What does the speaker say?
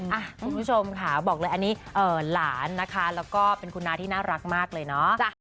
คุณผู้ชมค่ะบอกเลยอันนี้หลานนะคะแล้วก็เป็นคุณน้าที่น่ารักมากเลยเนาะ